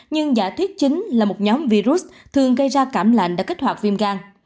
nhưng giả thuyết chính là một nhóm virus thường gây ra cảm lạnh đã kích hoạt viêm gan